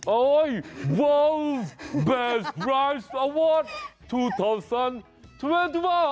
โอ้ยวัลฟ์เบสรายส์เอาวอร์ด๒๐๒๑